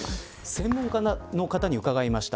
専門家の方に伺いました。